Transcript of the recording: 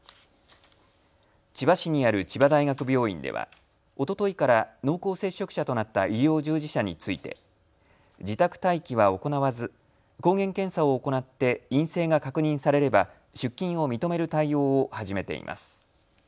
千葉市にある千葉大学病院ではおとといから濃厚接触者となった医療従事者について自宅待機は行わず抗原検査を行って陰性が確認されれば出勤を認める対応を始めています。